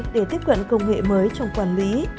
để tiếp cận công nghệ mới trong quản lý